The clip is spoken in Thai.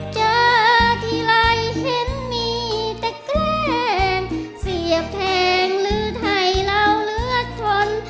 เจอทีไรเห็นมีแต่แกล้งเสียแพงหรือไทยเราเลือดชน